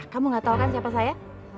kamu gak tau kan siapa saya